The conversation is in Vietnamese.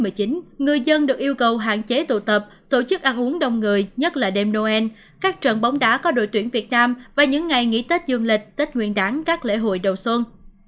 người dân được yêu cầu hạn chế tụ tập tổ chức ăn uống đông người nhất là đêm noel các trận bóng đá có đội tuyển việt nam và những ngày nghỉ tết dương lịch tết nguyên đáng các lễ hội đầu xuân